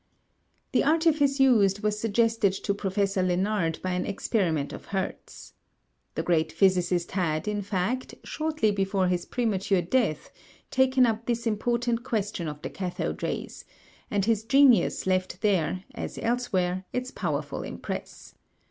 The artifice used was suggested to Professor Lenard by an experiment of Hertz. The great physicist had, in fact, shortly before his premature death, taken up this important question of the cathode rays, and his genius left there, as elsewhere, its powerful impress.